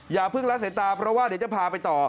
อย่าเพิ่งละสายตาเพราะว่าเดี๋ยวจะพาไปต่อ